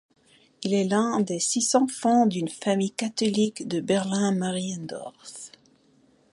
Il est l'un des six enfants d'une famille catholique de Berlin-Mariendorf.